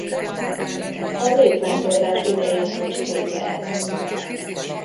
A népvándorlás idején pusztult el.